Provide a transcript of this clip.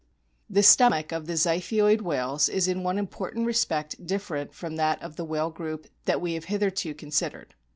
The stomach of the Ziphioid whales is in one important respect different from that of the whale group that we have hitherto considered.